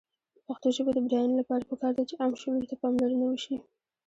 د پښتو ژبې د بډاینې لپاره پکار ده چې عام شعور ته پاملرنه وشي.